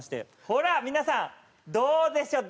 ほら皆さんどうでしょう？